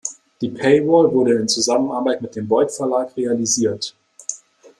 Die Paywall wurde in Zusammenarbeit mit dem Beuth Verlag realisiert.